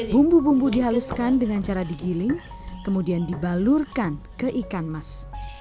bumbu bumbu dihaluskan dengan cara digiling kemudian dibalurkan ke ikan mas